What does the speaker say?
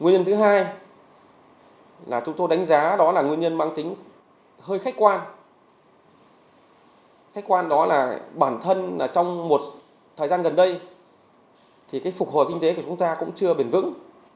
nguyên nhân thứ hai là chúng tôi đánh giá đó là nguyên nhân mang tính hơi khách quan khách quan đó là bản thân trong một thời gian gần đây thì phục hồi kinh tế của chúng ta cũng chưa bền vững